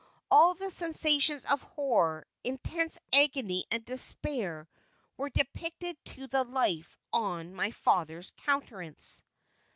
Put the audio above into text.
All the sensations of horror, intense agony, and despair were depicted to the life on my father's countenance.